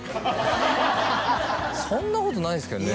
そんなことないですけどね